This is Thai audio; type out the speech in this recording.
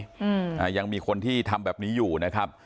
อืมอ่ายังมีคนที่ทำแบบนี้อยู่นะครับ